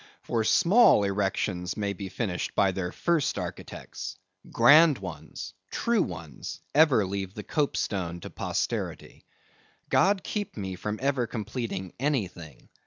For small erections may be finished by their first architects; grand ones, true ones, ever leave the copestone to posterity. God keep me from ever completing anything.